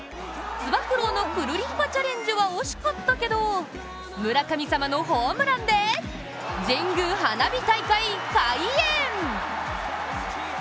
つば九郎のくるりんぱチャレンジは惜しかったけれど、村神様のホームランで神宮花火大会開演！